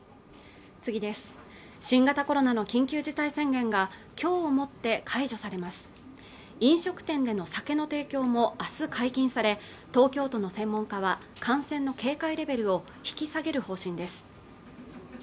新型コロナの緊急事態宣言が今日をもって解除されます飲食店での酒の提供も明日解禁され東京都の専門家は感染の警戒レベルを引き下げる方針です